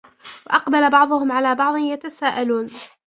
وَأَقْبَلَ بَعْضُهُمْ عَلَى بَعْضٍ يَتَسَاءَلُونَ